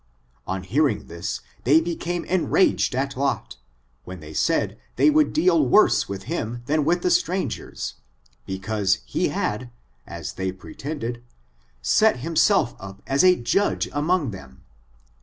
On hearing this, diey became enraged at Lot, when they said they would deal worse with him . than with the strangers, because he had, as diey pretended, set himself up as a judge among them.